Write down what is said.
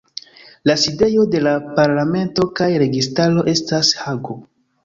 La sidejo de la parlamento kaj registaro estas Hago.